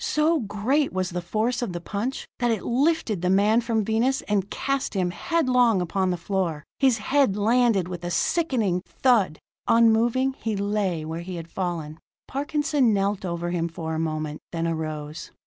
So great was the force of the punch, that it lifted the man from Venus and cast him headlong upon the floor. His head landed with a sickening thud. Unmoving, he lay where he had fallen. Parkinson knelt over him for a moment, then arose.